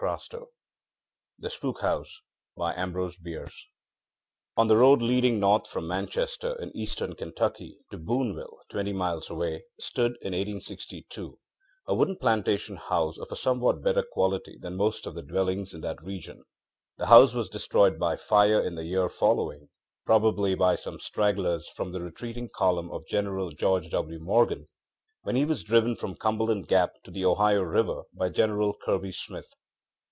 ŌĆØ THE SPOOK HOUSE ON the road leading north from Manchester, in eastern Kentucky, to Booneville, twenty miles away, stood, in 1862, a wooden plantation house of a somewhat better quality than most of the dwellings in that region. The house was destroyed by fire in the year followingŌĆöprobably by some stragglers from the retreating column of General George W. Morgan, when he was driven from Cumberland Gap to the Ohio river by General Kirby Smith.